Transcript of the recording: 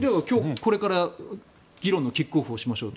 これから議論のキックオフをしましょうと。